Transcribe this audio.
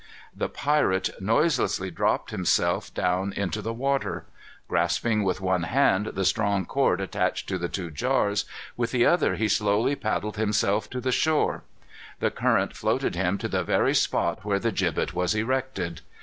The pirate noiselessly dropped himself down into the water. Grasping, with one hand, the strong cord attached to the two jars, with the other he slowly paddled himself to the shore. The current floated him to the very spot where the gibbet was erected.